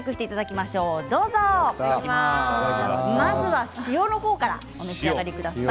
まずは塩の方からお召し上がりください。